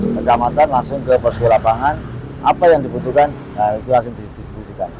kecamatan langsung ke posko lapangan apa yang dibutuhkan itu langsung didistribusikan